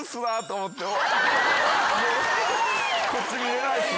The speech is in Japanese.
こっち見れないっす。